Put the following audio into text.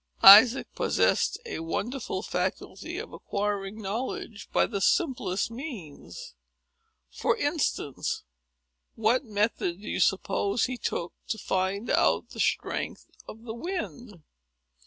Isaac possessed a wonderful faculty of acquiring knowledge by the simplest means. For instance, what method do you suppose he took, to find out the strength of the wind?